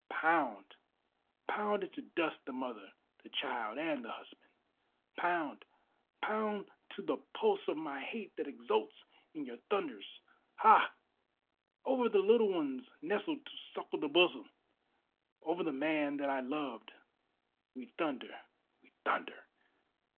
Pound, pound into dust the mother, the child, and the husband! Pound, pound to the pulse of my hate that exults in your thunders! Ha! Over the little ones nestled to suckle the bosom, Over the man that I loved, we thunder, we thunder!